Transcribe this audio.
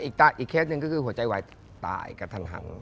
อีกเคสหนึ่งก็คือหัวใจวายตายกระทันหัน